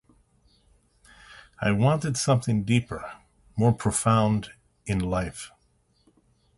I wanted something deeper, more profound in life.